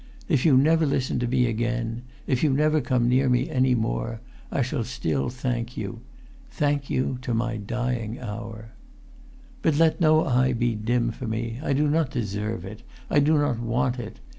If you never listen to me again, if you never come near me any more, I shall still thank you—thank you—to my dying hour! [Pg 322]"But let no eye be dim for me. I do not deserve it. I do not want it.